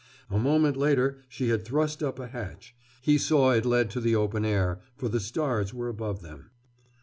A moment later she had thrust up a hatch. He saw it led to the open air, for the stars were above them.